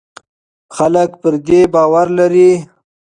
خلک پر دې باور لري.